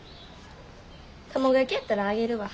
卵焼きやったらあげるわ。